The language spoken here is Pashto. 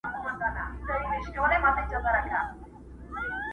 • زړه د اسیا ومه ثاني جنت وم.